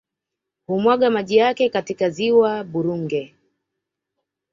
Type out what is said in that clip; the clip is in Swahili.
Humwaga maji yake katika ziwa Burunge